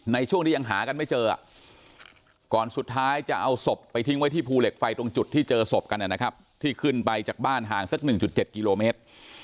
ในช่วงที่ยังหากันไม่เจอก่อนสุดท้ายจะเอาศพไปทิ้งไว้ที่ภูเหล็กไฟตรงจุดที่เจอศพกันนะครับที่ขึ้นไปจากบ้านห่างสัก๑๗กิโลเมตร